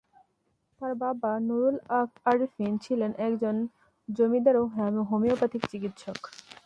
তার বাবা নুরুল আরেফিন ছিলেন একজন জমিদার ও হোমিওপ্যাথি চিকিৎসক।